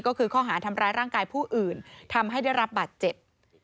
ก็คือข้อหาทำร้ายร่างกายผู้อื่นทำให้ได้รับบาดเจ็บ